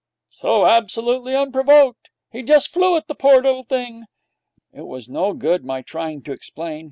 'So absolutely unprovoked!' 'He just flew at the poor little thing!' It was no good my trying to explain.